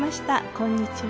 こんにちは。